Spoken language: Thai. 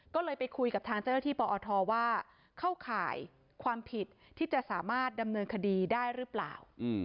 ก็เลยไปคุยกับทางเจ้าหน้าที่ปอทว่าเข้าข่ายความผิดที่จะสามารถดำเนินคดีได้หรือเปล่า